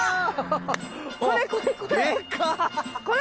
これこれこれ。